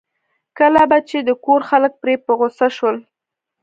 کله به چې د کور خلک پرې په غوسه شول.